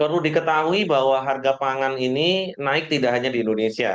perlu diketahui bahwa harga pangan ini naik tidak hanya di indonesia